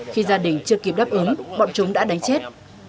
khi gia đình chưa kịp đáp ứng bọn chúng đã đánh chết